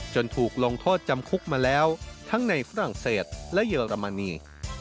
ถูกลงโทษจำคุกมาแล้วทั้งในฝรั่งเศสและเยอรมนี